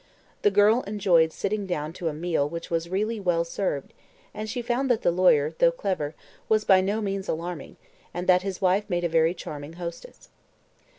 The girl enjoyed sitting down to a meal which was really well served, and she found that the lawyer, though clever, was by no means alarming, and that his wife made a very charming hostess.